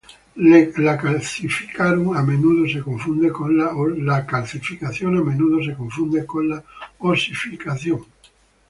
La calcificación a menudo se confunde con la osificación.